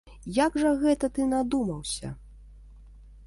Як жа гэта ты надумаўся?